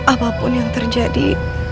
apapun yang terjadi